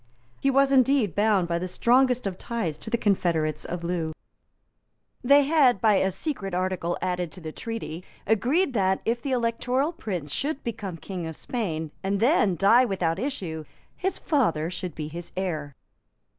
He was indeed bound by the strongest ties to the confederates of Loo. They had, by a secret article, added to the treaty, agreed that, if the Electoral Prince should become King of Spain, and then die without issue, his father should be his heir.